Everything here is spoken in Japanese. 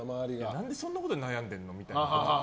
何でそんなことで悩んでるの？みたいな。